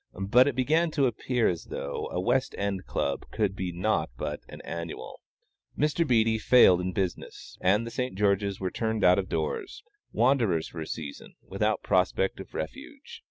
But it began to appear as though a West End Club could be nought but an "annual." Mr. Beattie failed in business, and the St. George's were turned out of doors, wanderers for a season, without prospect of refuge.